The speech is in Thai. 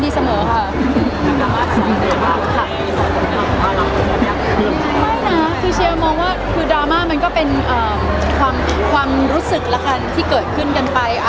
คือเชียร์มองว่าคือดราม่ามันก็เป็นความรู้สึกละกันที่เกิดขึ้นกันไป